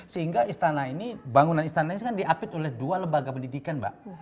sehingga istana ini bangunan istana ini kan diapit oleh dua lembaga pendidikan mbak